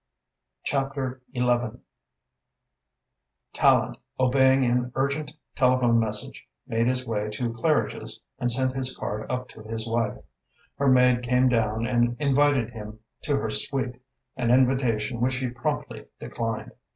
CHAPTER XI Tallente, obeying an urgent telephone message, made his way to Claridge's and sent his card up to his wife. Her maid came down and invited him to her suite, an invitation which he promptly declined.